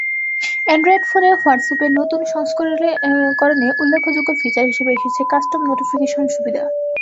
Android ফোনের হোয়াটসঅ্যাপের নতুন সংস্করণে উল্লেখযোগ্য ফিচার হিসেবে এসেছে কাস্টম নোটিফিকেশন সুবিধা।